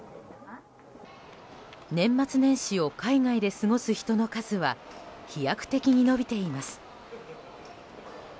年末年始を海外で過ごす人の数は飛躍的に伸びています。